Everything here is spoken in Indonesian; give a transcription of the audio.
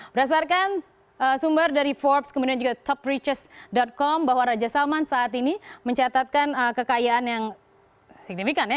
berdasarkan sumber dari forbes kemudian juga top reaches com bahwa raja salman saat ini mencatatkan kekayaan yang signifikan ya